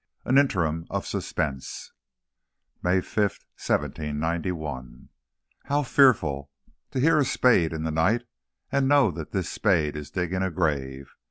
AN INTERIM OF SUSPENSE. MAY 5, 1791. [Illustration: H] How fearful! To hear a spade in the night and know that this spade is digging a grave!